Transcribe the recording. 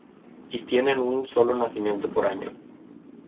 Y tienen un solo nacimiento por año.